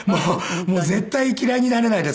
もう絶対嫌いになれないです。